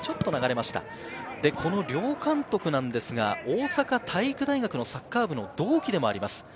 両監督なんですが、大阪体育大学のサッカー部の同期でもあります